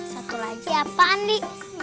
satu lagi apaan li